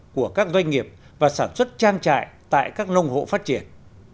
của các doanh nghiệp và sản xuất trang trại tại các nông hộ phát triển